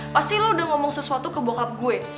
pasti lo udah ngomong sesuatu ke bockup gue